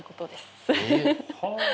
はあ。